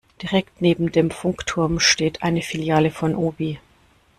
Direkt neben dem Funkturm steht eine Filiale von Obi.